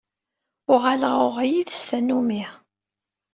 Uɣaleɣ uɣeɣ yid-s tannumi.